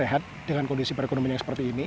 tetap sehat dengan kondisi perekonomian seperti ini